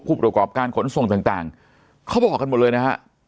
ประกอบการขนส่งต่างเขาบอกกันหมดเลยนะฮะ